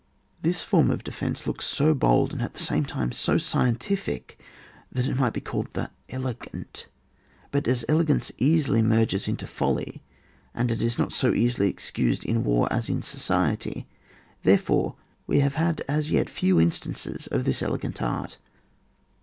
This form of defence looks so bold, and at the same time so scientific, that it might be called the elegant ; but as elegance easily merges into folly, and as it is not so easily excused in war as in society, therefore we have had a« yet few instances of this elegant art.